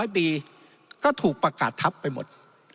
๐ปีก็ถูกประกาศทับไปหมด